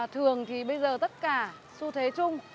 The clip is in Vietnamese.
thường thì bây giờ tất cả xu thế chung